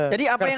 jadi apa yang